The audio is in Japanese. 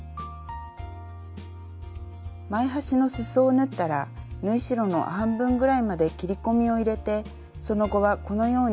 前端のすそを縫ったら縫い代の半分ぐらいまで切り込みを入れてその後はこのように縫い代を切っておきましょう。